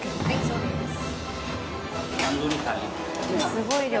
すごい量。